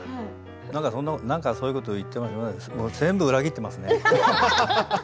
そういうこと言ったの全部裏切ってますね。